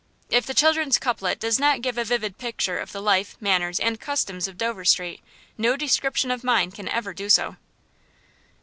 If the children's couplet does not give a vivid picture of the life, manners, and customs of Dover Street, no description of mine can ever do so.